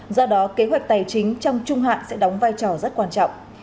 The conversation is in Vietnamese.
do đó kế hoạch tài chính trong trung hạn sẽ đóng vai trò rất quan trọng